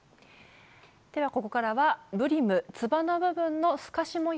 ではここからはブリムつばの部分の透かし模様の部分ですね。